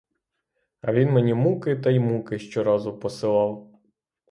А він мені муки та й муки щоразу посилав.